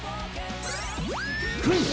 クイズ！